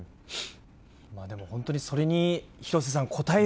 でも、本当にそれに廣瀬さん、応える